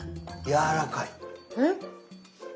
やわらかい？